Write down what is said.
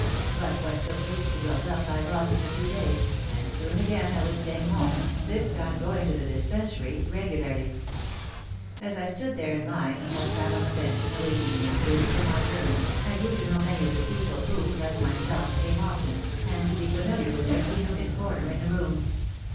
But what took weeks to build up I lost in a few days and soon again I was staying home, this time going to the Dispensary regularly. As I stood there in line or sat on the bench in the waiting room, waiting for my turn, I grew to know many of the people who, like my self, came often, and to be familiar with every nook and corner in the room.